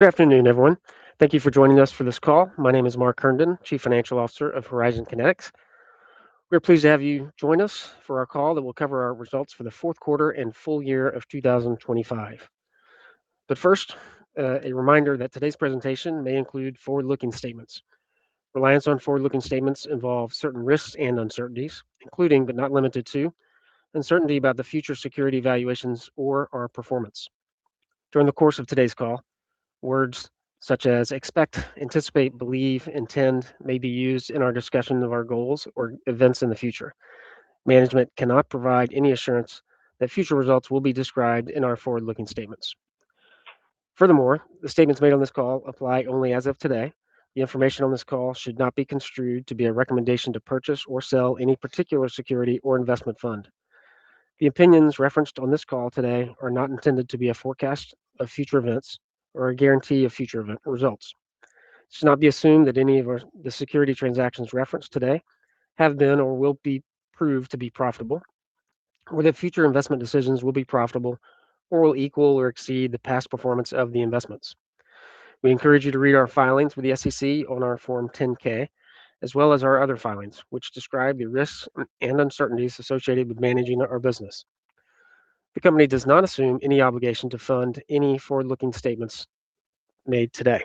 Good afternoon, everyone. Thank you for joining us for this call. My name is Mark Herndon, Chief Financial Officer of Horizon Kinetics. We are pleased to have you join us for our call that will cover our results for the fourth quarter and full year of 2025. First, a reminder that today's presentation may include forward-looking statements. Reliance on forward-looking statements involve certain risks and uncertainties, including but not limited to, uncertainty about the future security valuations or our performance. During the course of today's call, words such as expect, anticipate, believe, intend may be used in our discussion of our goals or events in the future. Management cannot provide any assurance that future results will be described in our forward-looking statements. Furthermore, the statements made on this call apply only as of today. The information on this call should not be construed to be a recommendation to purchase or sell any particular security or investment fund. The opinions referenced on this call today are not intended to be a forecast of future events or a guarantee of future event results. It should not be assumed that the security transactions referenced today have been or will be proved to be profitable, or that future investment decisions will be profitable or will equal or exceed the past performance of the investments. We encourage you to read our filings with the SEC on our Form 10-K, as well as our other filings which describe the risks and uncertainties associated with managing our business. The company does not assume any obligation to update any forward-looking statements made today.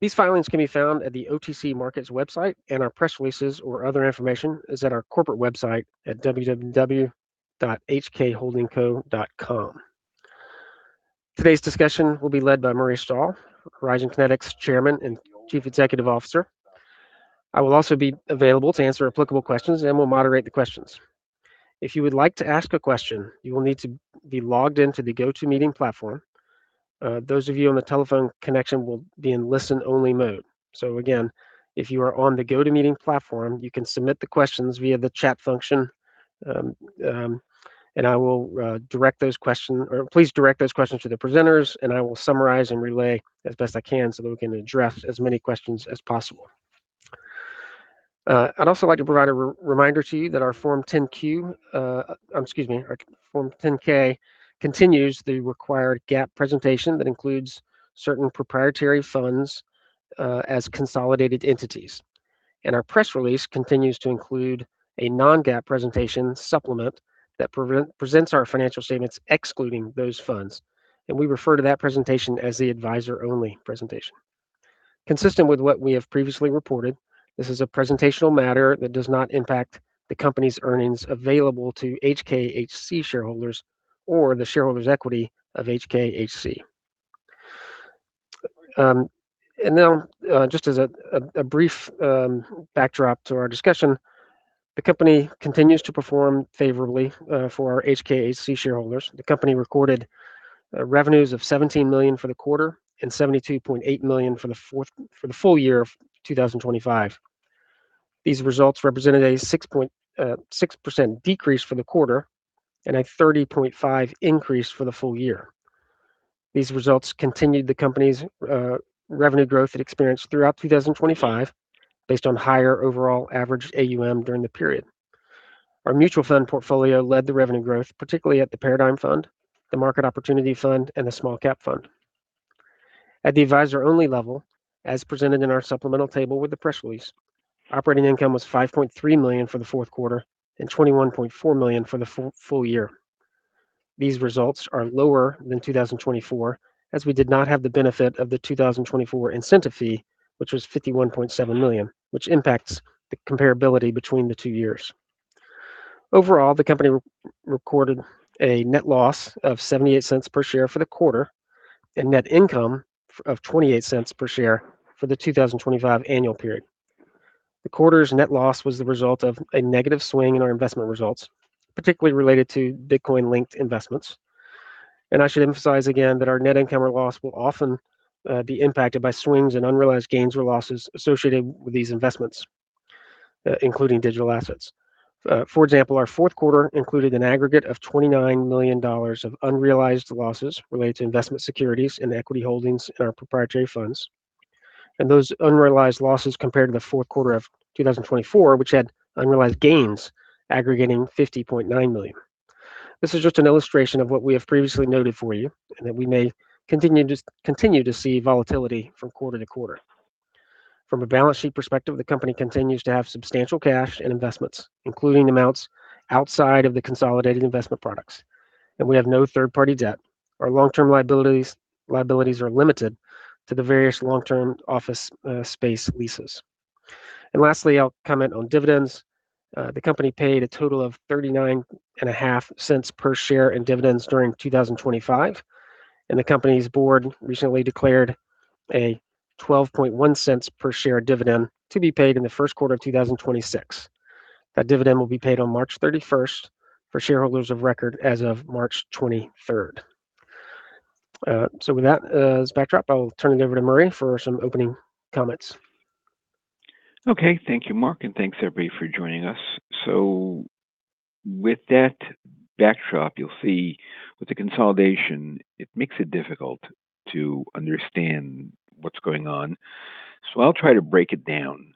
These filings can be found at the OTC Markets website, and our press releases or other information is at our corporate website at www.hkholdingco.com. Today's discussion will be led by Murray Stahl, Horizon Kinetics Chairman and Chief Executive Officer. I will also be available to answer applicable questions and will moderate the questions. If you would like to ask a question, you will need to be logged into the GoToMeeting platform. Those of you on the telephone connection will be in listen-only mode. Again, if you are on the GoToMeeting platform, you can submit the questions via the chat function, and please direct those questions to the presenters, and I will summarize and relay as best I can so that we can address as many questions as possible. I'd also like to provide a reminder to you that our Form 10-Q, excuse me, our Form 10-K continues the required GAAP presentation that includes certain proprietary funds as consolidated entities. Our press release continues to include a non-GAAP presentation supplement that presents our financial statements excluding those funds. We refer to that presentation as the advisor-only presentation. Consistent with what we have previously reported, this is a presentational matter that does not impact the company's earnings available to HKHC shareholders or the shareholders' equity of HKHC. Now, just as a brief backdrop to our discussion, the company continues to perform favorably for our HKHC shareholders. The company recorded revenues of $17 million for the quarter and $72.8 million for the full year of 2025. These results represented a 6.6% decrease for the quarter and a 30.5% increase for the full year. These results continued the company's revenue growth it experienced throughout 2025 based on higher overall average AUM during the period. Our mutual fund portfolio led the revenue growth, particularly at the Paradigm Fund, the Market Opportunities Fund, and the Small Cap Opportunities Fund. At the advisor-only level, as presented in our supplemental table with the press release, operating income was $5.3 million for the fourth quarter and $21.4 million for the full year. These results are lower than 2024, as we did not have the benefit of the 2024 incentive fee, which was $51.7 million, which impacts the comparability between the two years. Overall, the company recorded a net loss of $0.78 per share for the quarter and net income of $0.28 per share for the 2025 annual period. The quarter's net loss was the result of a negative swing in our investment results, particularly related to Bitcoin-linked investments. I should emphasize again that our net income or loss will often be impacted by swings and unrealized gains or losses associated with these investments, including digital assets. For example, our fourth quarter included an aggregate of $29 million of unrealized losses related to investment securities in the equity holdings in our proprietary funds. Those unrealized losses compared to the fourth quarter of 2024, which had unrealized gains aggregating $50.9 million. This is just an illustration of what we have previously noted for you, and that we may continue to see volatility from quarter to quarter. From a balance sheet perspective, the company continues to have substantial cash and investments, including amounts outside of the consolidated investment products, and we have no third-party debt. Our long-term liabilities are limited to the various long-term office space leases. Lastly, I'll comment on dividends. The company paid a total of $0.395 per share in dividends during 2025, and the company's board recently declared a $0.121 per share dividend to be paid in the first quarter of 2026. That dividend will be paid on March thirty-first for shareholders of record as of March twenty-third. With that as backdrop, I'll turn it over to Murray for some opening comments. Okay. Thank you, Mark, and thanks, everybody, for joining us. With that backdrop, you'll see with the consolidation, it makes it difficult to understand what's going on. I'll try to break it down.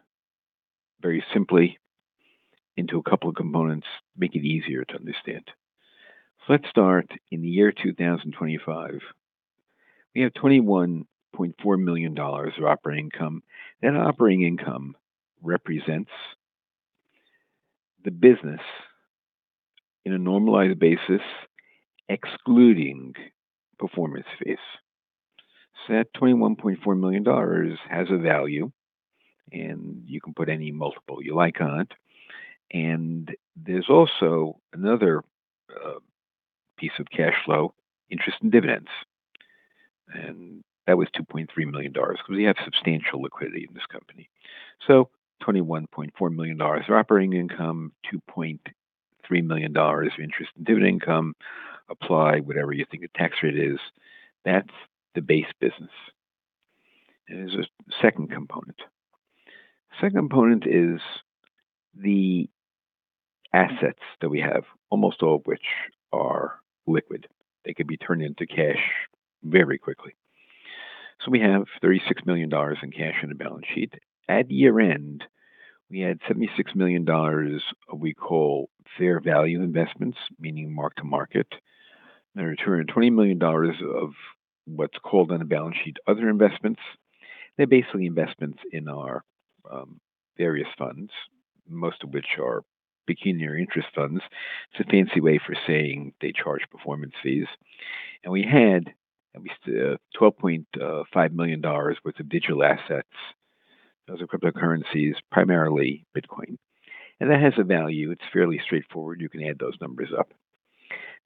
Very simply into a couple of components, make it easier to understand. Let's start in the year 2025. We have $21.4 million of operating income. That operating income represents the business in a normalized basis, excluding performance fees. That $21.4 million has a value, and you can put any multiple you like on it. There's also another piece of cash flow, interest and dividends. That was $2.3 million because we have substantial liquidity in this company. 21.4 million dollars of operating income, $2.3 million of interest and dividend income, apply whatever you think the tax rate is. That's the base business. There's a second component. Second component is the assets that we have, almost all of which are liquid. They can be turned into cash very quickly. We have $36 million in cash on the balance sheet. At year-end, we had $76 million of what we call fair value investments, meaning mark-to-market. There are $20 million of what's called on the balance sheet other investments. They're basically investments in our various funds, most of which are pecuniary interest funds. It's a fancy way for saying they charge performance fees. We had at least $12.5 million worth of digital assets. Those are cryptocurrencies, primarily Bitcoin. That has a value. It's fairly straightforward. You can add those numbers up.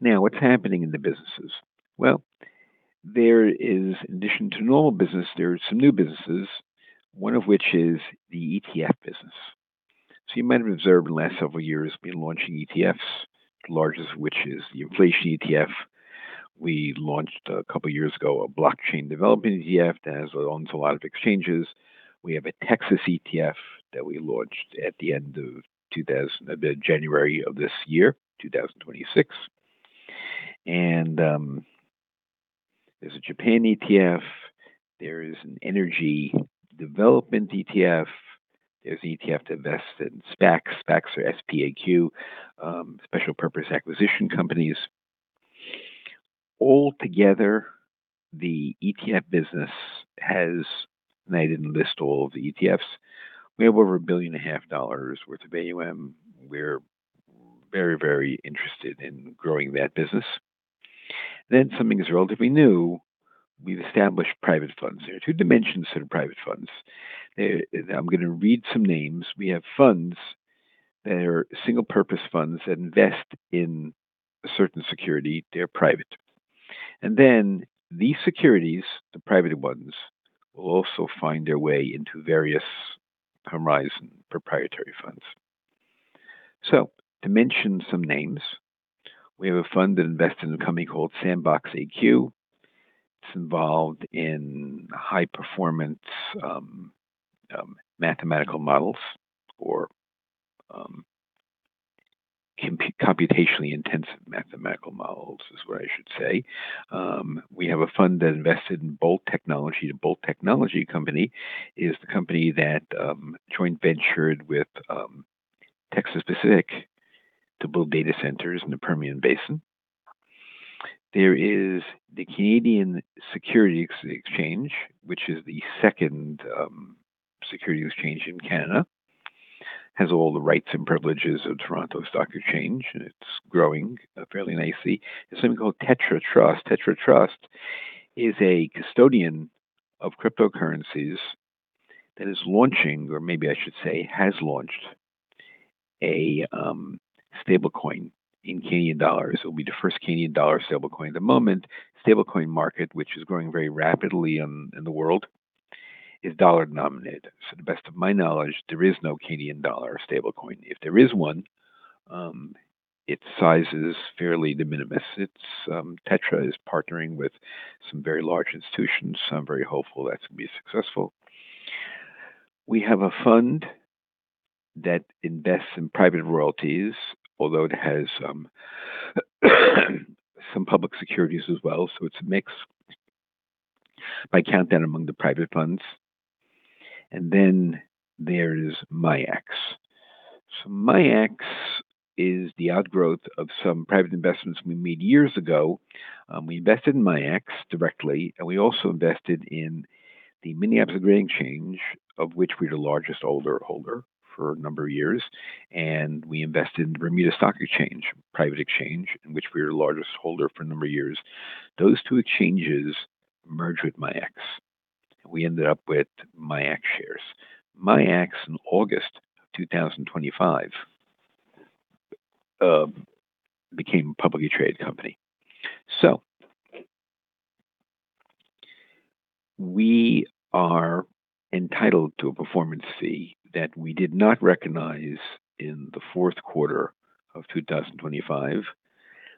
Now, what's happening in the businesses? Well, there is, in addition to normal business, there are some new businesses, one of which is the ETF business. You might have observed in the last several years, we've been launching ETFs, the largest of which is the inflation ETF. We launched a couple years ago a blockchain development ETF that owns a lot of exchanges. We have a Texas ETF that we launched January of this year, 2024. There's a Japan ETF. There is an energy and remediation ETF. There's an ETF to invest in SPACs. SPACs are S-P-A-C, special purpose acquisition companies. All together, the ETF business has. I didn't list all of the ETFs. We have over $1.5 billion worth of AUM. We're very, very interested in growing that business. Something that's relatively new, we've established private funds. There are two dimensions to the private funds. I'm gonna read some names. We have funds that are single-purpose funds that invest in a certain security. They're private. These securities, the private ones, will also find their way into various Horizon proprietary funds. To mention some names, we have a fund that invests in a company called SandboxAQ. It's involved in high-performance mathematical models or computationally intensive mathematical models, is what I should say. We have a fund that invested in Bolt Data & Energy. The Bolt Data & Energy company is the company that joint ventured with Texas Pacific to build data centers in the Permian Basin. There is the Canadian Securities Exchange, which is the second securities exchange in Canada. Has all the rights and privileges of Toronto Stock Exchange, and it's growing fairly nicely. There's something called Tetra Trust. Tetra Trust is a custodian of cryptocurrencies that is launching, or maybe I should say has launched, a stablecoin in Canadian dollars. It will be the first Canadian dollar stablecoin. At the moment, stablecoin market, which is growing very rapidly in the world, is dollar-denominated. To the best of my knowledge, there is no Canadian dollar stablecoin. If there is one, its size is fairly de minimis. It's Tetra is partnering with some very large institutions, so I'm very hopeful that's gonna be successful. We have a fund that invests in private royalties, although it has some public securities as well, so it's a mix. But I count that among the private funds. There is MIAX. MIAX is the outgrowth of some private investments we made years ago. We invested in MIAX directly, and we also invested in MAGE, of which we're the largest holder for a number of years. We invested in the Bermuda Stock Exchange, private exchange, in which we're the largest holder for a number of years. Those two exchanges merged with MIAX. We ended up with MIAX shares. MIAX in August 2025 became a publicly traded company. We are entitled to a performance fee that we did not recognize in the fourth quarter of 2025,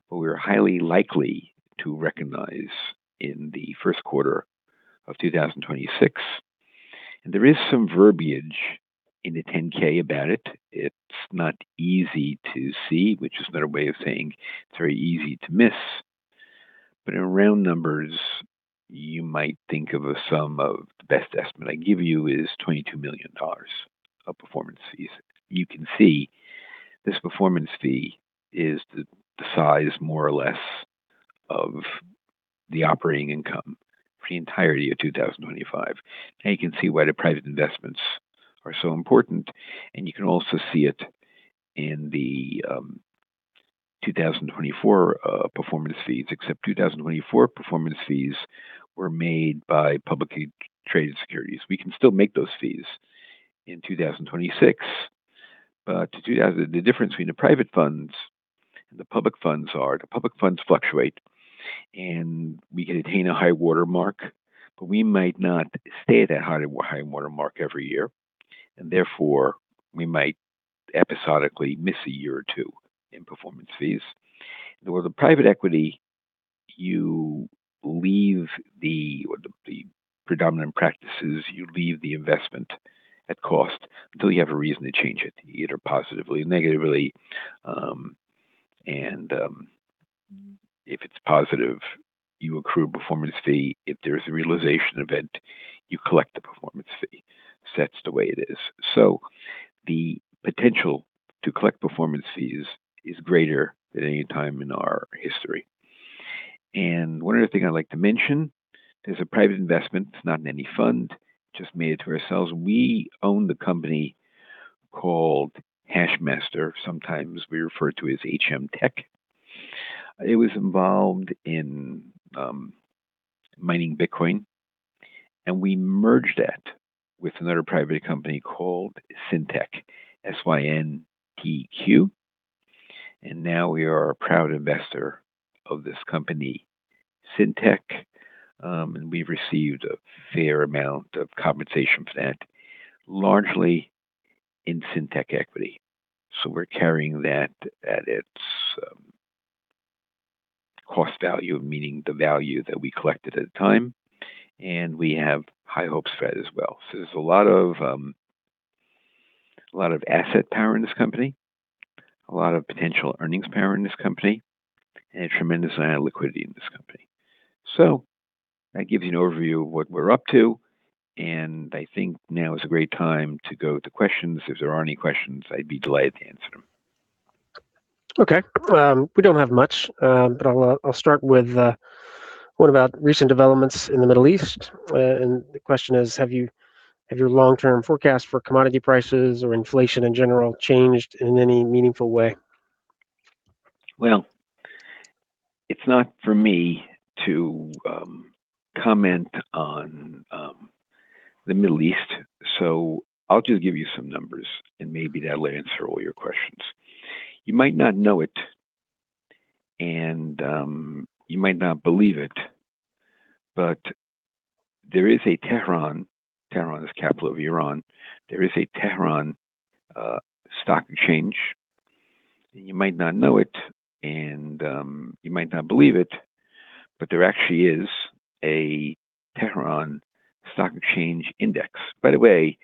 but we are highly likely to recognize in the first quarter of 2026. There is some verbiage in the 10-K about it. It's not easy to see, which is another way of saying it's very easy to miss. In round numbers, you might think of a sum of the best estimate I give you is $22 million of performance fees. You can see this performance fee is the size more or less of the operating income for the entirety of 2025. Now you can see why the private investments are so important, and you can also see it in the 2024 performance fees, except 2024 performance fees were made by publicly traded securities. We can still make those fees in 2026. To do that, the difference between the private funds and the public funds are the public funds fluctuate, and we can attain a high-water mark, but we might not stay at that high-water mark every year, and therefore, we might episodically miss a year or two in performance fees. With the private equity, or the predominant practices, you leave the investment at cost until you have a reason to change it, either positively or negatively. If it's positive, you accrue a performance fee. If there's a realization event, you collect the performance fee. That's the way it is. The potential to collect performance fees is greater than any time in our history. One other thing I'd like to mention is a private investment. It's not in any fund, just made it to ourselves. We own the company called Hashmaster. Sometimes we refer to it as HM Tech. It was involved in mining Bitcoin, and we merged that with another private company called Synteq, S-Y-N-T-E-Q. Now we are a proud investor of this company, Synteq, and we've received a fair amount of compensation for that, largely in Synteq equity. We're carrying that at its cost value, meaning the value that we collected at the time, and we have high hopes for that as well. There's a lot of asset power in this company, a lot of potential earnings power in this company, and a tremendous amount of liquidity in this company. That gives you an overview of what we're up to, and I think now is a great time to go to questions. If there are any questions, I'd be delighted to answer them. Okay. We don't have much, but I'll start with what about recent developments in the Middle East? The question is, have your long-term forecast for commodity prices or inflation in general changed in any meaningful way? Well, it's not for me to comment on the Middle East, so I'll just give you some numbers, and maybe that'll answer all your questions. You might not know it, and you might not believe it, but there is a Tehran. Tehran is the capital of Iran. There is a Tehran Stock Exchange. You might not know it, and you might not believe it, but there actually is a Tehran Stock Exchange index. By the way,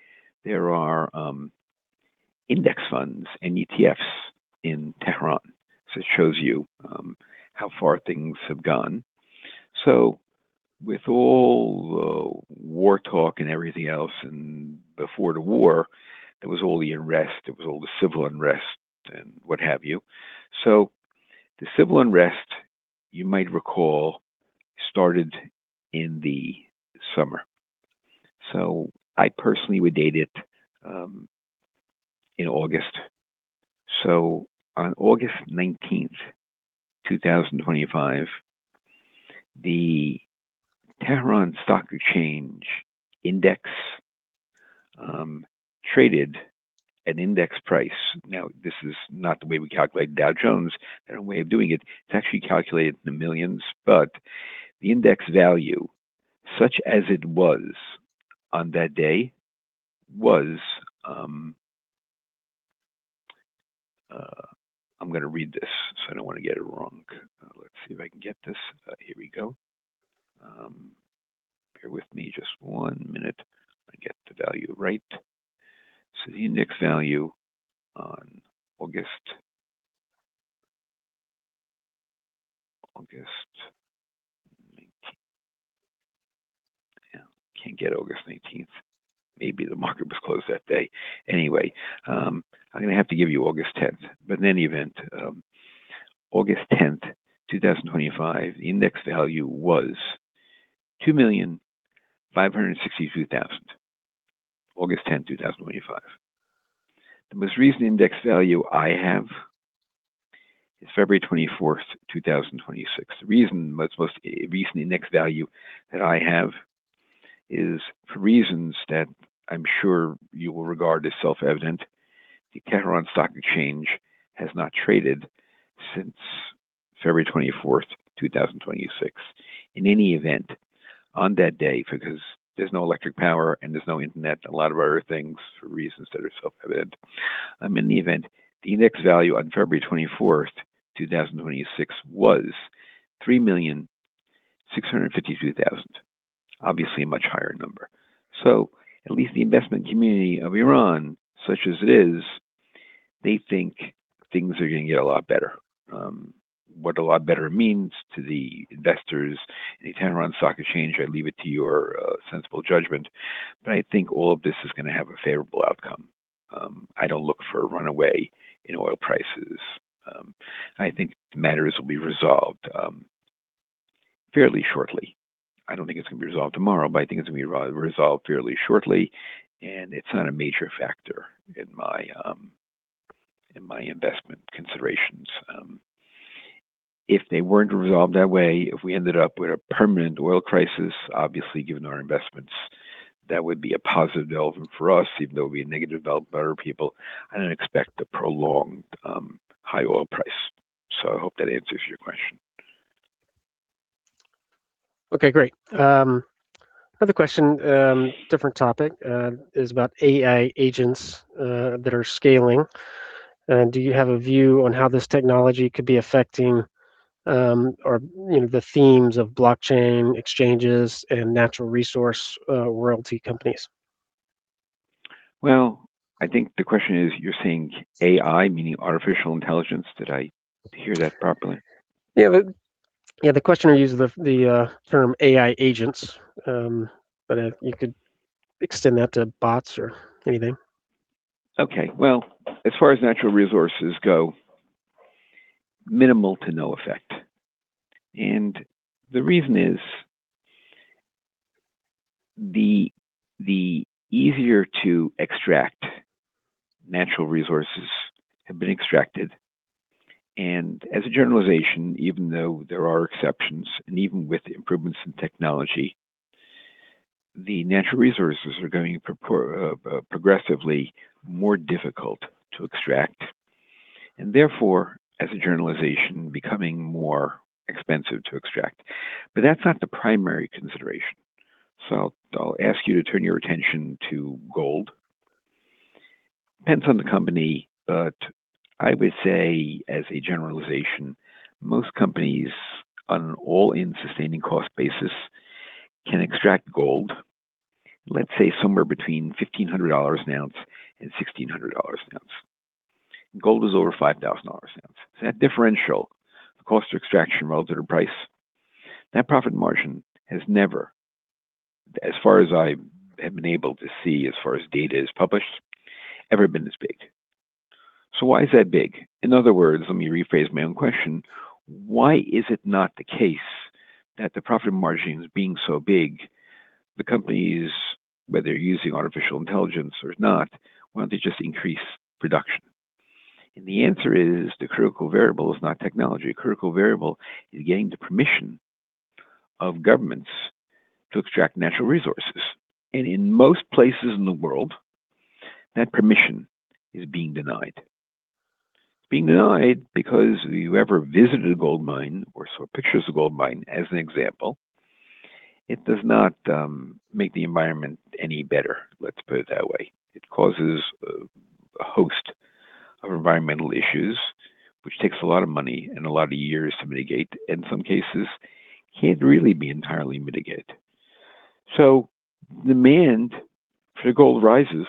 there are index funds and ETFs in Tehran. It shows you how far things have gone. With all the war talk and everything else and before the war, there was all the unrest, there was all the civil unrest and what have you. The civil unrest, you might recall, started in the summer. I personally would date it in August. On August 19, 2025, the Tehran Stock Exchange index traded an index price. This is not the way we calculate Dow Jones. There are ways of doing it. It's actually calculated in the millions. The index value, such as it was on that day, was. I'm gonna read this, so I don't want to get it wrong. Let's see if I can get this. Here we go. Bear with me just one minute. I get the value right. The index value on August 19. Yeah, can't get August 19. Maybe the market was closed that day. Anyway, I'm gonna have to give you August 10. In any event, August 10, 2025, the index value was 2,562,000. The most recent index value I have is February 24th, 2026. The reason most recent index value that I have is for reasons that I'm sure you will regard as self-evident. The Tehran Stock Exchange has not traded since February 24th, 2026. In any event, on that day, because there's no electric power and there's no internet, a lot of other things for reasons that are self-evident. In the event, the index value on February 24th, 2026 was 3,652,000. Obviously a much higher number. At least the investment community of Iran, such as it is. They think things are going to get a lot better. What a lot better means to the investors in a turnaround stock exchange, I leave it to your sensible judgment. I think all of this is going to have a favorable outcome. I don't look for a runaway in oil prices. I think matters will be resolved fairly shortly. I don't think it's going to be resolved tomorrow, but I think it's going to be resolved fairly shortly. It's not a major factor in my investment considerations. If they weren't resolved that way, if we ended up with a permanent oil crisis, obviously given our investments, that would be a positive development for us, even though it would be a negative development for other people. I don't expect a prolonged high oil price. I hope that answers your question. Okay, great. Another question, different topic, is about AI agents that are scaling. Do you have a view on how this technology could be affecting the themes of blockchain exchanges and natural resource royalty companies? Well, I think the question is you're saying AI, meaning artificial intelligence. Did I hear that properly? Yeah, the questioner uses the term AI agents, but you could extend that to bots or anything. Okay. Well, as far as natural resources go, minimal to no effect. The reason is the easier to extract natural resources have been extracted. As a generalization, even though there are exceptions, and even with improvements in technology, the natural resources are going progressively more difficult to extract. Therefore, as a generalization, becoming more expensive to extract. That's not the primary consideration. I'll ask you to turn your attention to gold. Depends on the company, but I would say as a generalization, most companies on an all-in sustaining cost basis can extract gold, let's say somewhere between $1,500-$1,600 an ounce. Gold is over $5,000 an ounce. That differential, the cost of extraction relative to price, that profit margin has never, as far as I have been able to see as far as data is published, ever been this big. Why is that big? In other words, let me rephrase my own question. Why is it not the case that the profit margins being so big, the companies, whether they're using artificial intelligence or not, why don't they just increase production? The answer is the critical variable is not technology. The critical variable is getting the permission of governments to extract natural resources. In most places in the world, that permission is being denied. It's being denied because if you ever visited a gold mine or saw pictures of a gold mine as an example, it does not make the environment any better, let's put it that way. It causes a host of environmental issues, which takes a lot of money and a lot of years to mitigate. In some cases, can't really be entirely mitigated. Demand for gold rises,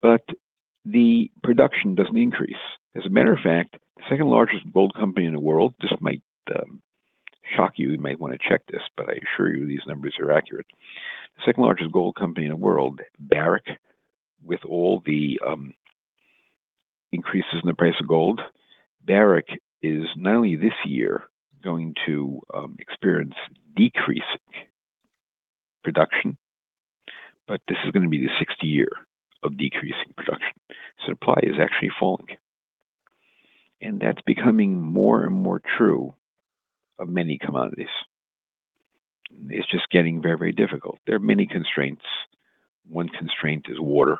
but the production doesn't increase. As a matter of fact, the second largest gold company in the world, this might shock you might want to check this, but I assure you these numbers are accurate. The second largest gold company in the world, Barrick, with all the increases in the price of gold, Barrick is not only this year going to experience decreasing production, but this is going to be the sixth year of decreasing production. Supply is actually falling. That's becoming more and more true of many commodities. It's just getting very, very difficult. There are many constraints. One constraint is water.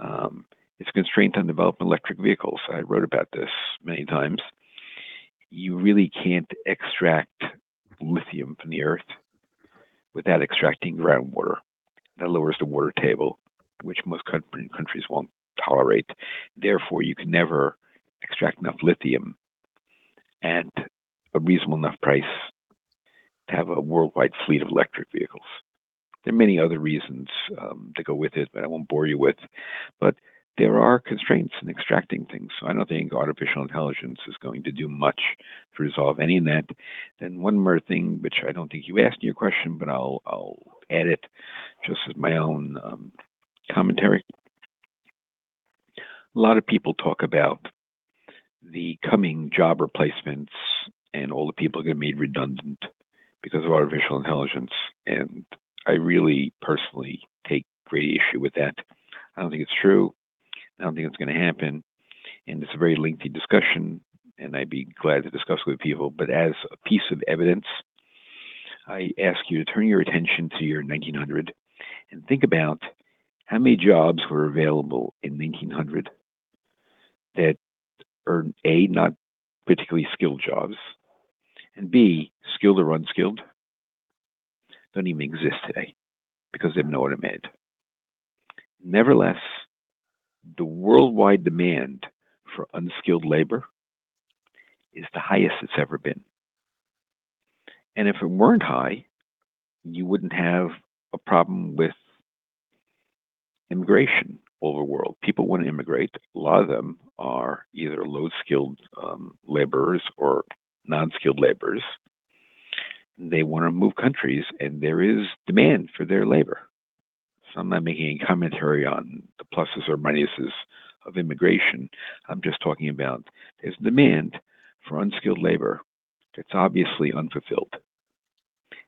It's a constraint on developing electric vehicles. I wrote about this many times. You really can't extract lithium from the earth without extracting groundwater. That lowers the water table, which most countries won't tolerate. Therefore, you can never extract enough lithium at a reasonable enough price to have a worldwide fleet of electric vehicles. There are many other reasons to go with it that I won't bore you with, but there are constraints in extracting things. I don't think artificial intelligence is going to do much to resolve any of that. One more thing, which I don't think you asked in your question, but I'll add it just as my own commentary. A lot of people talk about the coming job replacements and all the people are going to be redundant because of artificial intelligence. I really personally take great issue with that. I don't think it's true. I don't think it's going to happen. It's a very lengthy discussion, and I'd be glad to discuss with people. As a piece of evidence, I ask you to turn your attention to the year 1900 and think about how many jobs were available in 1900 that are, A, not particularly skilled jobs, and B, skilled or unskilled, don't even exist today because they have been automated. Nevertheless, the worldwide demand for unskilled labor is the highest it's ever been. If it weren't high, you wouldn't have a problem with immigration all over the world. People want to immigrate. A lot of them are either low-skilled laborers or non-skilled laborers. They wanna move countries, and there is demand for their labor. I'm not making any commentary on the pluses or minuses of immigration. I'm just talking about there's demand for unskilled labor that's obviously unfulfilled,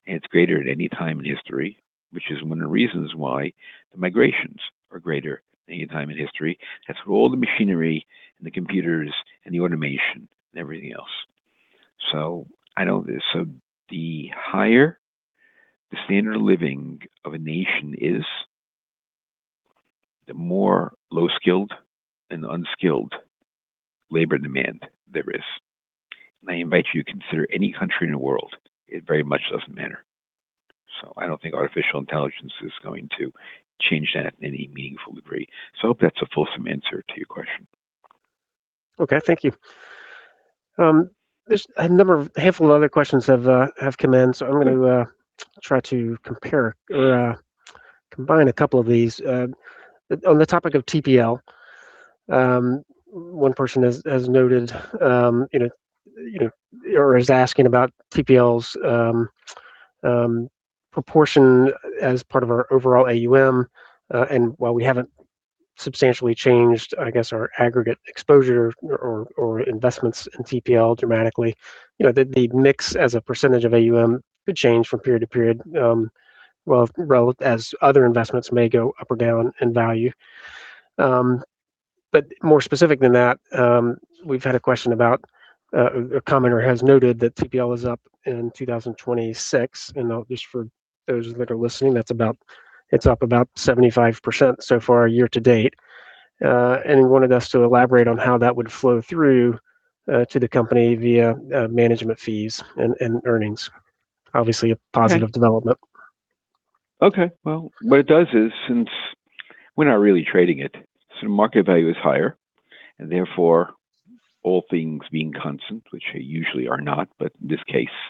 and it's greater at any time in history, which is one of the reasons why the migrations are greater than any time in history. That's with all the machinery and the computers and the automation and everything else. I know this. The higher the standard of living of a nation is, the more low-skilled and unskilled labor demand there is. I invite you to consider any country in the world. It very much doesn't matter. I don't think artificial intelligence is going to change that in any meaningful degree. I hope that's a fulsome answer to your question. Okay. Thank you. There's a handful of other questions have come in. I'm gonna try to compare or combine a couple of these. On the topic of TPL, one person has noted, you know, or is asking about TPL's proportion as part of our overall AUM. While we haven't substantially changed, I guess, our aggregate exposure or investments in TPL dramatically, you know, the mix as a percentage of AUM could change from period to period, as other investments may go up or down in value. But more specific than that, we've had a question about, a commenter has noted that TPL is up in 2026. Just for those that are listening, that's about. It's up about 75% so far year to date. He wanted us to elaborate on how that would flow through to the company via management fees and earnings. Obviously a positive development. Okay. Well, what it does is, since we're not really trading it, so the market value is higher and therefore all things being constant, which they usually are not, but in this case,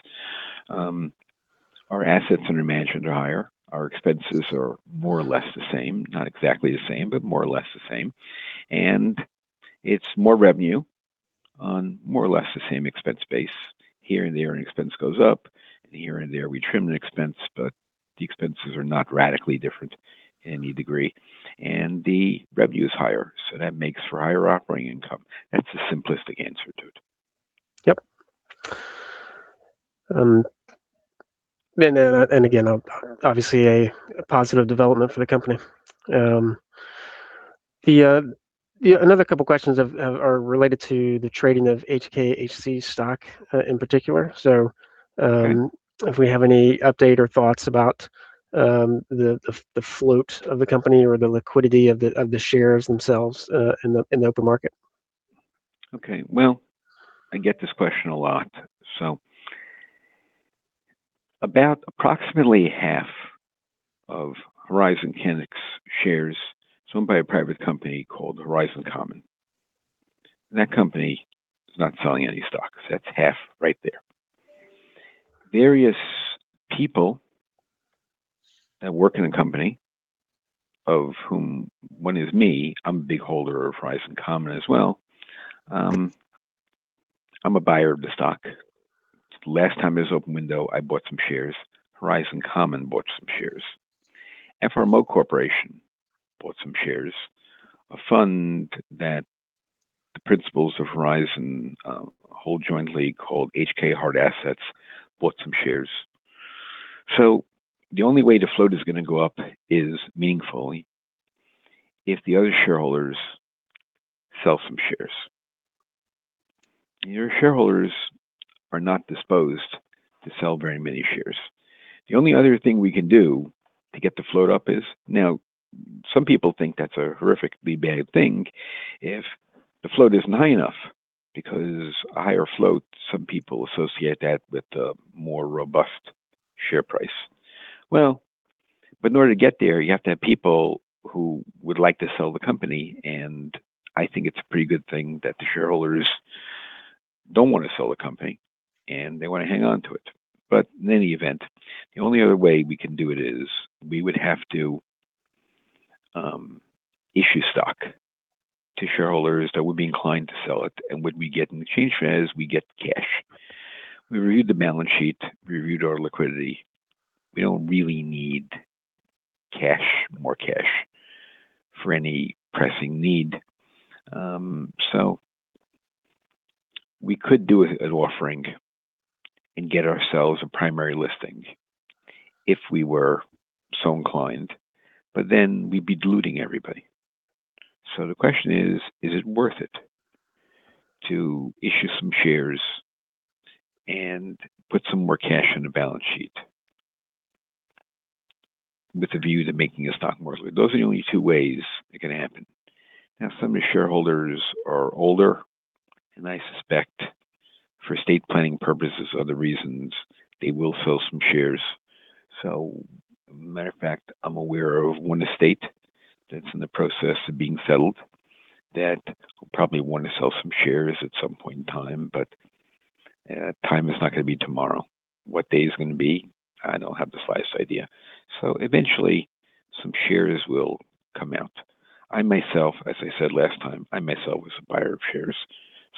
our assets under management are higher. Our expenses are more or less the same. Not exactly the same, but more or less the same. It's more revenue on more or less the same expense base. Here and there, an expense goes up, and here and there we trim an expense, but the expenses are not radically different in any degree. The revenue is higher, so that makes for higher operating income. That's the simplistic answer to it. Yep. And again, obviously a positive development for the company. Another couple questions are related to the trading of HKHC stock, in particular. Okay. If we have any update or thoughts about the float of the company or the liquidity of the shares themselves in the open market. Okay. Well, I get this question a lot. About approximately half of Horizon Kinetics shares is owned by a private company called Horizon Common. That company is not selling any stocks. That's half right there. Various people that work in the company, of whom one is me, I'm a big holder of Horizon Common as well. I'm a buyer of the stock. Last time it was open window, I bought some shares. Horizon Common bought some shares. FRMO Corporation bought some shares. A fund that the principals of Horizon hold jointly called Horizon Kinetics Hard Assets bought some shares. The only way the float is gonna go up is meaningfully if the other shareholders sell some shares. Your shareholders are not disposed to sell very many shares. The only other thing we can do to get the float up is Now, some people think that's a horrifically bad thing if the float isn't high enough because a higher float, some people associate that with a more robust share price. Well, in order to get there, you have to have people who would like to sell the company, and I think it's a pretty good thing that the shareholders don't wanna sell the company, and they wanna hang on to it. In any event, the only other way we can do it is we would have to issue stock to shareholders that would be inclined to sell it. What we get in exchange for that is we get cash. We reviewed the balance sheet. We reviewed our liquidity. We don't really need cash, more cash for any pressing need. We could do an offering and get ourselves a primary listing if we were so inclined, but then we'd be diluting everybody. The question is it worth it to issue some shares and put some more cash on the balance sheet with a view to making a stock more liquid? Those are the only two ways it can happen. Now, some of the shareholders are older, and I suspect for estate planning purposes, other reasons, they will sell some shares. Matter of fact, I'm aware of one estate that's in the process of being settled that will probably wanna sell some shares at some point in time, but, time is not gonna be tomorrow. What day is it gonna be? I don't have the slightest idea. Eventually, some shares will come out. I myself, as I said last time, was a buyer of shares.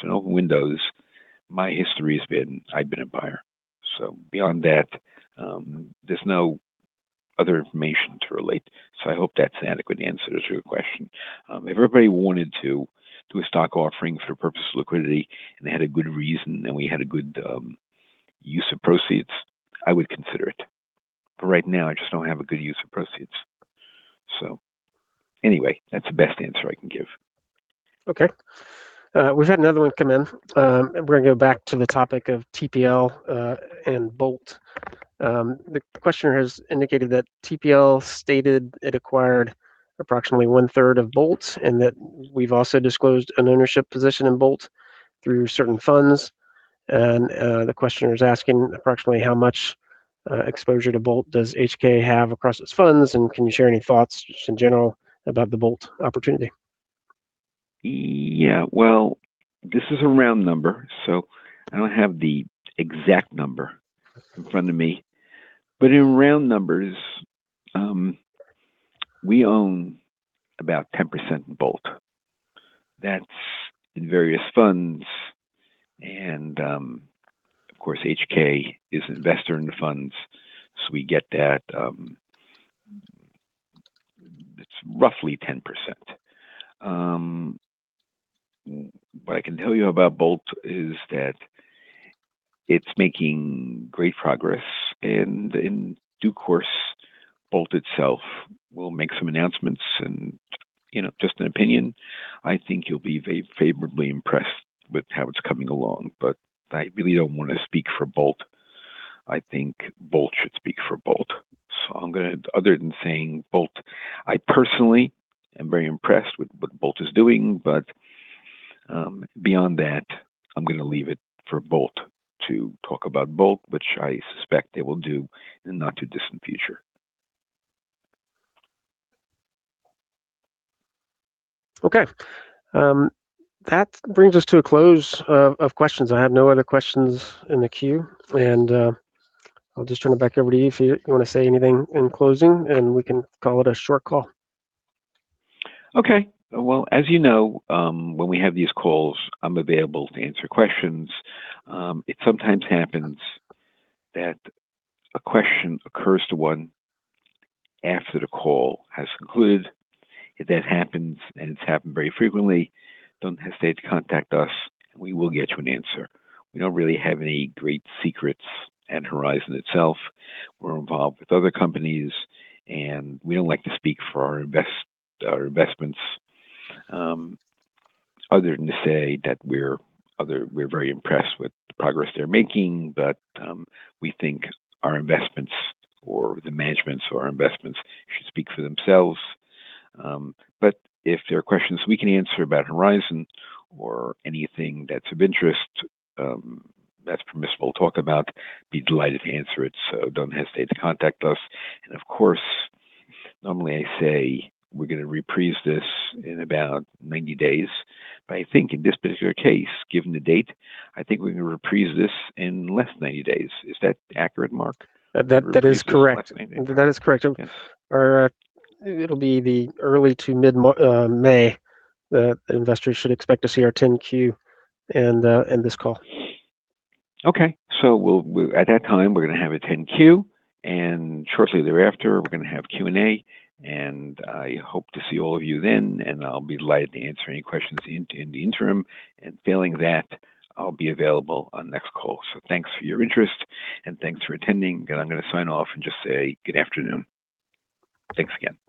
In open windows, my history has been I've been a buyer. Beyond that, there's no other information to relate. I hope that's an adequate answer to your question. If everybody wanted to do a stock offering for purpose of liquidity, and they had a good reason, and we had a good use of proceeds, I would consider it. Right now, I just don't have a good use of proceeds. Anyway, that's the best answer I can give. Okay. We've had another one come in, and we're gonna go back to the topic of TPL and Bolt. The questioner has indicated that TPL stated it acquired approximately one-third of Bolt and that we've also disclosed an ownership position in Bolt through certain funds. The questioner is asking approximately how much exposure to Bolt does HK have across its funds, and can you share any thoughts just in general about the Bolt opportunity? Yeah. Well, this is a round number, so I don't have the exact number in front of me. In round numbers, we own about 10% in Bolt. That's in various funds and, of course, HK is investor in the funds, so we get that. It's roughly 10%. What I can tell you about Bolt is that it's making great progress and in due course, Bolt itself will make some announcements and, you know, just an opinion, I think you'll be favorably impressed with how it's coming along. I really don't wanna speak for Bolt. I think Bolt should speak for Bolt. I'm gonna. Other than saying Bolt, I personally am very impressed with what Bolt is doing, but, beyond that, I'm gonna leave it for Bolt to talk about Bolt, which I suspect they will do in the not too distant future. Okay. That brings us to a close of questions. I have no other questions in the queue, and I'll just turn it back over to you if you wanna say anything in closing, and we can call it a short call. Okay. Well, as you know, when we have these calls, I'm available to answer questions. It sometimes happens that a question occurs to one after the call has concluded. If that happens, and it's happened very frequently, don't hesitate to contact us, and we will get you an answer. We don't really have any great secrets at Horizon itself. We're involved with other companies, and we don't like to speak for our investments, other than to say that we're very impressed with the progress they're making. We think our investments or the managements or our investments should speak for themselves. If there are questions we can answer about Horizon or anything that's of interest, that's permissible to talk about, be delighted to answer it, don't hesitate to contact us. Of course, normally I say we're gonna reprise this in about 90 days. I think in this particular case, given the date, I think we're gonna reprise this in less than 90 days. Is that accurate, Mark? That is correct. To reprise this in less than 90 days. That is correct. It'll be the early to mid May that investors should expect to see our 10-Q and this call. At that time we're gonna have a 10-Q, and shortly thereafter, we're gonna have Q&A. I hope to see all of you then, and I'll be delighted to answer any questions in the interim. Failing that, I'll be available on next call. Thanks for your interest, and thanks for attending. Again, I'm gonna sign off and just say good afternoon. Thanks again.